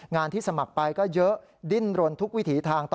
ที่สมัครไปก็เยอะดิ้นรนทุกวิถีทาง